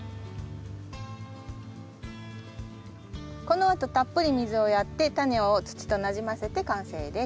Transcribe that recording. このあとたっぷり水をやってタネを土となじませて完成です。